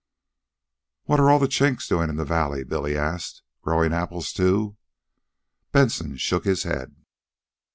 "What are all the Chinks doin' in the Valley?" Billy asked. "Growin' apples, too?" Benson shook his head.